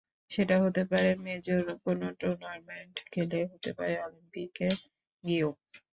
সেটা হতে পারে মেজর কোনো টুর্নামেন্টে খেলে, হতে পারে অলিম্পিকে গিয়েও।